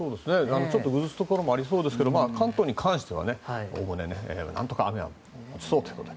ちょっとぐずつくところもありそうですけど関東に関しては何とか雨は持ちそうと。